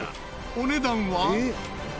お値段は。